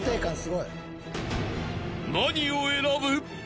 ［何を選ぶ？］